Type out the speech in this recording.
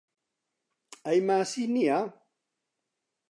ئەی ماسی نییە؟